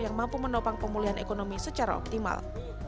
yang mampu menopang pemulihan ekonomi secara optimal